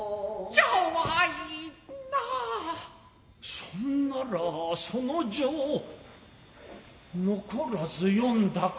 そんならその状残らず読んだか。